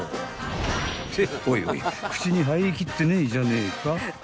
［っておいおい口に入りきってねえじゃねえか］